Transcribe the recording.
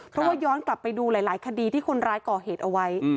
เพราะว่าย้อนกลับไปดูหลายคดีที่คนร้ายก่อเหตุเอาไว้